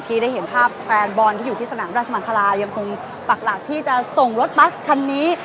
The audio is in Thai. ที่ได้เห็นภาพแฟนบอลที่อยู่ที่สนามราชมังคลายังคงปักหลักที่จะส่งรถบัสคันนี้